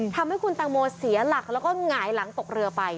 ทำให้คุณตังโมเสียหลักแล้วก็หงายหลังตกเรือไป